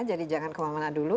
jadi jangan kemana mana dulu